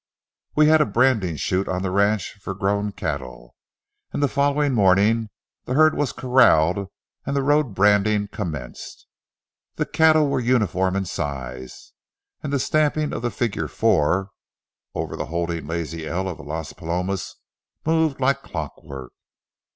We had a branding chute on the ranch for grown cattle, and the following morning the herd was corralled and the road branding commenced. The cattle were uniform in size, and the stamping of the figure '4' over the holding "Lazy L" of Las Palomas, moved like clockwork.